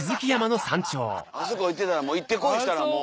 あそこ行ってたら行って来いしたらもう。